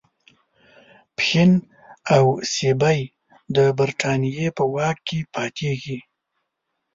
پښین او سیبی د برټانیې په واک کې پاتیږي.